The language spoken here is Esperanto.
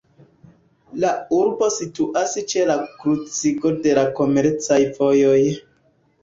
La urbo situas ĉe la kruciĝo de la komercaj vojoj.